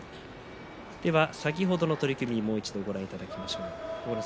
先ほどの取組をもう一度ご覧いただきましょう。